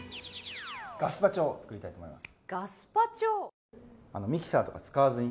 ガスパチョを作りたいと思います。